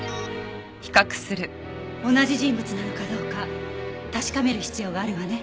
同じ人物なのかどうか確かめる必要があるわね。